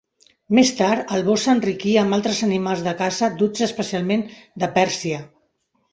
Més tard, el bosc s'enriquí amb altres animals de caça duts especialment de Pèrsia.